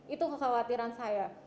itu kekhawatiran saya